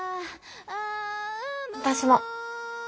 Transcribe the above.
私も。